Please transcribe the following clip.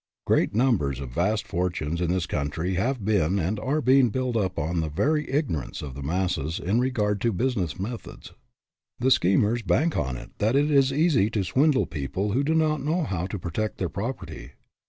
Great numbers of vast fortunes in this country have been and are being built up on the very ignorance of the masses in regard to business methods. The schemers bank on it that it is easy to swindle people who do not know how to protect their property.